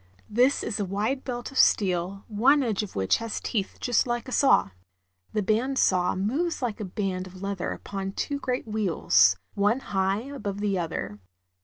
This is a wide belt of steel, one edge of which has teeth just like a saw. The band saw moves like a band of leather upon two great wheels, one high above the other.